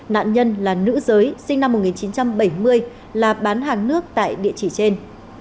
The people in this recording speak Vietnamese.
nạn nhân là nữ giới sinh năm một nghìn chín trăm bảy mươi là bán hàng nước tại địa chỉ trên